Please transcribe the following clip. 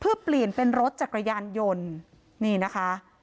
เพื่อเปลี่ยนเป็นรถจักรยานยนต์นี่นะคะ